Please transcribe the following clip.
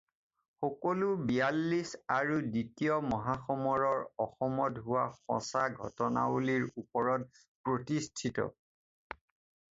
সকলো বিয়াল্লিছ আৰু দ্বিতীয় মহাসমৰৰ অসমত হোৱা সঁচা ঘটনাৱলীৰ ওপৰত প্ৰতিষ্ঠিত।